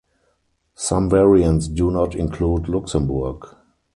Some variants do not include Luxembourg.